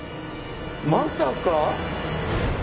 まさか。